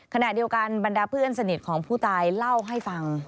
ขณะเดียวกันบรรดาเพื่อนสนิทของผู้ตายเล่าให้ฟัง